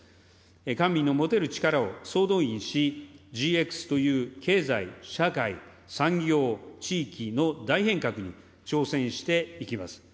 官民の持てる力を総動員し、ＧＸという経済、社会、産業、地域の大変革に挑戦していきます。